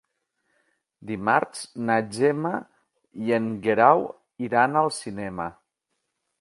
Dimarts na Gemma i en Guerau iran al cinema.